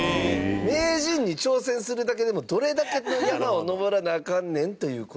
名人に挑戦するだけでもどれだけの山を登らなアカンねんという事。